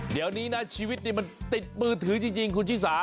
เดี๋ยวนี้นะชีวิตนี่มันติดมือถือจริงคุณชิสา